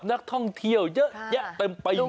นักท่องเที่ยวเยอะแยะเต็มไปหมด